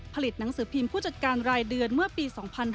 ผลิตหนังสือพิมพ์ผู้จัดการรายเดือนเมื่อปี๒๕๕๙